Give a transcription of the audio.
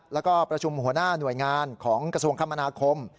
แล้วก็ประชุมหัวหน้าหน่วยงานของกระทรวงคมนาคม